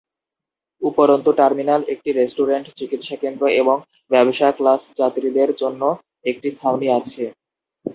উপরন্তু, টার্মিনাল একটি রেস্টুরেন্ট, চিকিৎসা কেন্দ্র, এবং ব্যবসা ক্লাস যাত্রীদের জন্য একটি ছাউনি আছে।